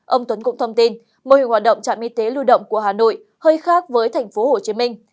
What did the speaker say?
ông tuấn cũng thông tin mô hình hoạt động trạm y tế lưu động của hà nội hơi khác với thành phố hồ chí minh